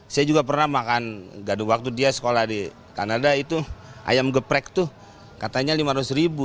saya juga pernah makan gaduh waktu dia sekolah di kanada itu ayam geprek tuh katanya lima ratus ribu